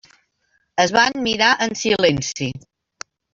Es van mirar en silenci.